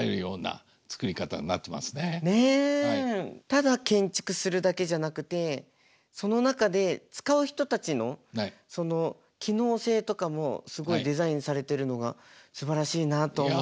ただ建築するだけじゃなくてその中で使う人たちのその機能性とかもすごいデザインされてるのがすばらしいなと思いました。